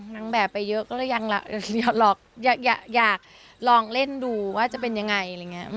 นางแบบไปเยอะก็ยังหลอกอยากลองเล่นดูว่าจะเป็นยังไง